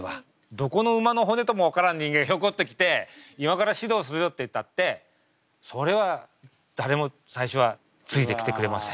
どこの馬の骨とも分からん人間がヒョコっと来て今から指導するよっていったってそれは誰も最初はついてきてくれません。